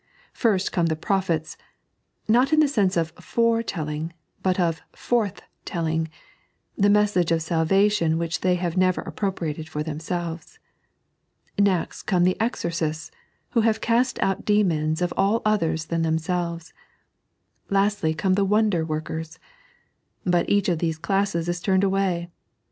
First come the prophets, not in the sense of /errs telling, but ofybrfA telling, the message of a salvation which they have never appro priated for themaelvee. Next come the exorcists, who have cast demons out of all others than themselves. Lastiy come the wonder workers. But each of these dassee is tnmed away.